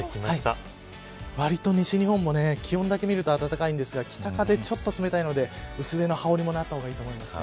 わりと西日本も気温だけ見ると暖かいんですが北風ちょっと冷たいので薄手の羽織るものあった方がいいと思います。